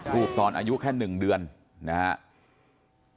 ตอนอายุแค่๑เดือนนะครับ